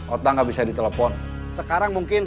otang gak bisa di telepon